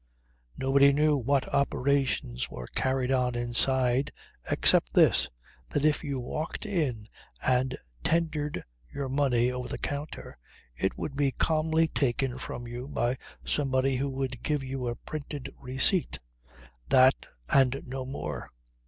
Nobody knew what operations were carried on inside except this that if you walked in and tendered your money over the counter it would be calmly taken from you by somebody who would give you a printed receipt. That and no more.